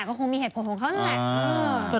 ก็คงมีเหตุผลของเขานั่นแหละ